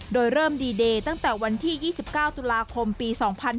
โดยเริ่มดีเดย์ตั้งแต่วันที่๒๙ตุลาคมปี๒๕๕๙